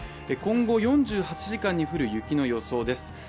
今後４８時間に降る雪の予想です。